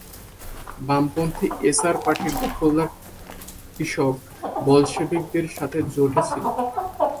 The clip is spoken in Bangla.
বামপন্থী এসআর পার্টি দখলদার কৃষক বলশেভিকদের সাথে জোটে ছিল।